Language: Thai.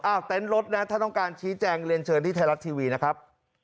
เต็นต์รถนะถ้าต้องการชี้แจงเรียนเชิญที่ไทยรัฐทีวีนะครับ